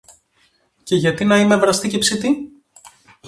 Και γιατί να είμαι βραστή και ψητή;